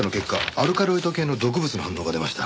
アルカロイド系の毒物の反応が出ました。